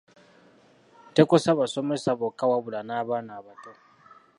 Tekosa basomesa bokka wabula n’abaana abato.